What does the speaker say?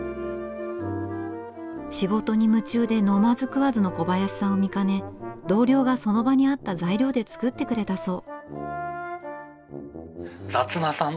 仕事に夢中で飲まず食わずの小林さんを見かね同僚がその場にあった材料で作ってくれたそう。